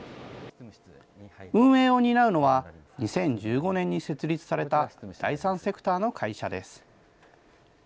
運営を担うのは、２０１５年に設立された第三セクターの会社です。